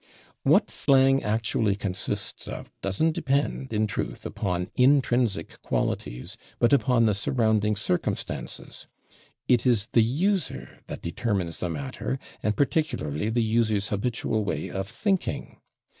What slang actually consists of doesn't depend, in truth, upon intrinsic qualities, but upon the surrounding circumstances. It is the user that determines the matter, and particularly the user's habitual way of thinking.